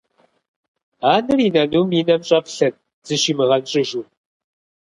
Анэр и нанум и нэм щӀэплъэрт, зыщимыгъэнщӀыжу.